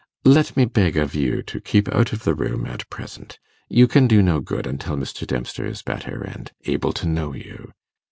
Let me beg of you to keep out of the room at present: you can do no good until Mr. Dempster is better, and able to know you.